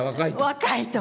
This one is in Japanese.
若いと。